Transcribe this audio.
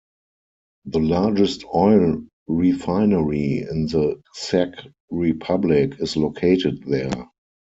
The largest oil refinery in the Czech Republic is located there.